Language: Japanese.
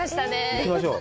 いきましょう。